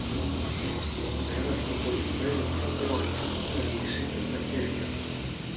ένα φτωχοντυμένο χλωμό άνθρωπο με αλυσίδες στα χέρια.